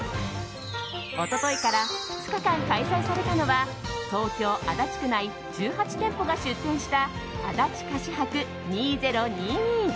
一昨日から２日間開催されたのは東京・足立区内１８店舗が出店したあだち菓子博２０２２。